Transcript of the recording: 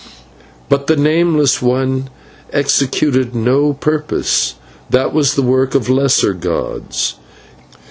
But the Nameless one executed no purpose that was the work of lesser gods.